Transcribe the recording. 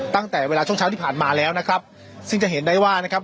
ตั้งแต่เวลาช่วงเช้าที่ผ่านมาแล้วนะครับซึ่งจะเห็นได้ว่านะครับ